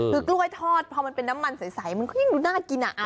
คือกล้วยทอดพอมันเป็นน้ำมันใสมันก็ยิ่งดูน่ากิน